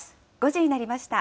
５時になりました。